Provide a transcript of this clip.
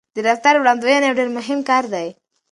د رفتار وړاندوينه یو ډېر مهم کار دی.